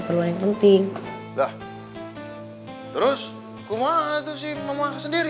mau ngapain di luar